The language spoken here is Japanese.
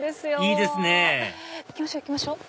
いいですね行きましょう行きましょう。